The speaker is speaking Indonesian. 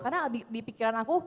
karena di pikiran aku